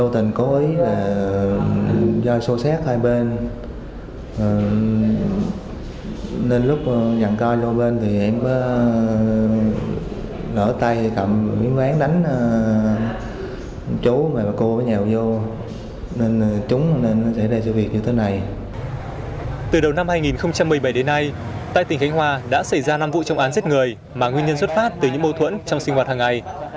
từ đầu năm hai nghìn một mươi bảy đến nay tại tỉnh khánh hòa đã xảy ra năm vụ trọng án giết người mà nguyên nhân xuất phát từ những mâu thuẫn trong sinh hoạt hàng ngày